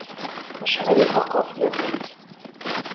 Acḥal i xaqeɣ fell-akent!